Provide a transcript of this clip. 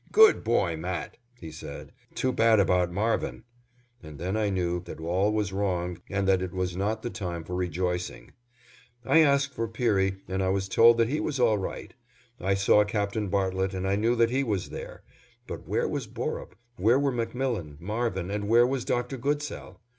"Good boy, Matt," he said; "too bad about Marvin," and then I knew that all was wrong and that it was not the time for rejoicing. I asked for Peary and I was told that he was all right. I saw Captain Bartlett and I knew that he was there; but where was Borup, where were MacMillan, Marvin, and where was Dr. Goodsell?